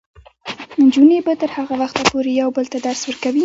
نجونې به تر هغه وخته پورې یو بل ته درس ورکوي.